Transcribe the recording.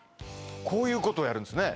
こういうことをやるんですね